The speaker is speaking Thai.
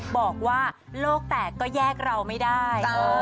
บอกว่าโลกแตกก็แยกเราไม่ได้